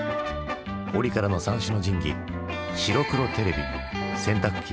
折からの三種の神器白黒テレビ洗濯機